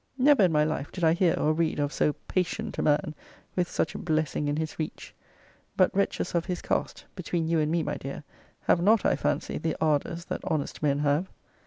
Never in my life did I hear or read of so patient a man, with such a blessing in his reach. But wretches of his cast, between you and me, my dear, have not, I fancy, the ardors that honest men have.